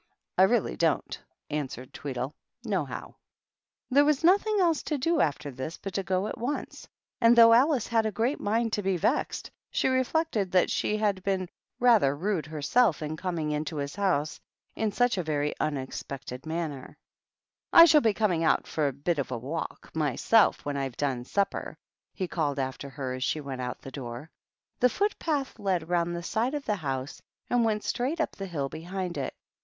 " I really don't," answered Tweedle, " nohow." There was nothing else to do after this but to go at once ; and though Alice had a great mind to be vexed, she reflected that she had been rather rude herself in coming into his hotise in such a very unexpected manner. 274 TH£ TWEEDLEB. " I shall be coming out for a bit of a wait myself when I've done supper," he called aftei her, as she went out the door. The fool> path led round the side of the house and went straight up the hill behind it.